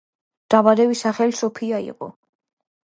დაბადების სახელი სოფია იყო.